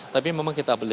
tapi memang kita beli